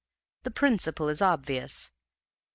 The principle is obvious. Mr.